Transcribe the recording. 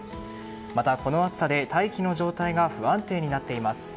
また、この暑さで大気の状態が不安定になっています。